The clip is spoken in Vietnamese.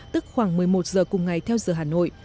tức khoảng một mươi một giờ cùng ngày theo giờ hà nội